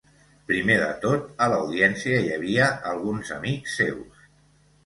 Primer de tot, a l'audiència hi havia alguns amics seus.